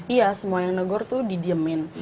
iya semua yang negor tuh didiemin